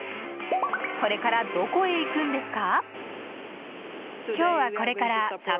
これから、どこへ行くんですか？